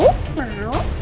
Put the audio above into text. permainnya juga mau